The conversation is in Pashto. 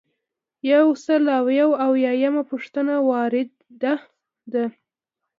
یو سل او یو اویایمه پوښتنه وارده ده.